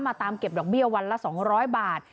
ตามเก็บดอกเบี้ยวันละ๒๐๐บาท